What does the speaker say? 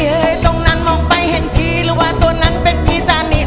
เฮ้ยตรงนั้นมองไปเห็นพี่หรือว่าตัวนั้นเป็นพี่ตานี่